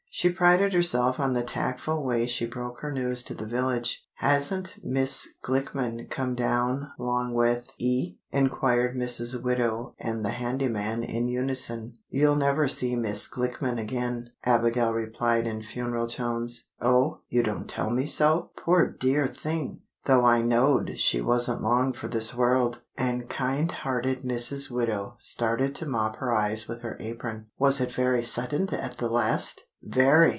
She prided herself on the tactful way she broke her news to the village. "Hasn't Miss Klickmann come down 'long with 'ee?" inquired Mrs. Widow and the handy man in unison. "You'll never see Miss Klickmann again," Abigail replied in funereal tones. "Oh! You don't tell me so! Poor dear thing! though I knowed she wasn't long for this world," and kind hearted Mrs. Widow started to mop her eyes with her apron. "Was it very suddint at the last?" "Very!"